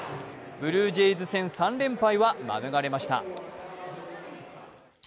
ブルージェイズ戦３連敗は免れました。